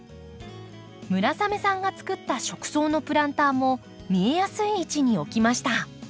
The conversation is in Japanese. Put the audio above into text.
村雨さんが作った食草のプランターも見えやすい位置に置きました。